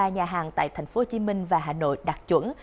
một trăm linh ba nhà hàng tại tp hcm và hà nội đạt chuẩn